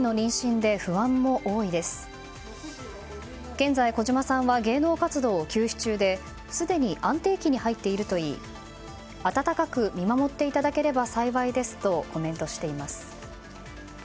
現在、小島さんは芸能活動を休止中ですでに安定期に入っているといい温かく見守っていただければ幸いですとコメントしています。